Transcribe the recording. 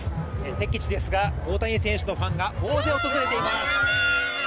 敵地ですが、大谷選手のファンが大勢訪れています。